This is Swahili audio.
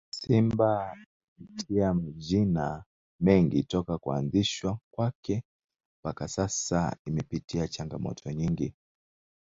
Simba imepitia majina mengi toka kuanzishwa kwake mpaka sasa imepitia changamoto nyingi